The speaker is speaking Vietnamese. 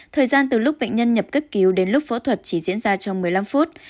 thời gian từ lúc bệnh nhân nhập cấp cứu đến lúc phẫu thuật chỉ diễn ra trong một mươi năm phút